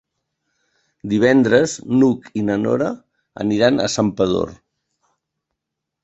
Divendres n'Hug i na Nora aniran a Santpedor.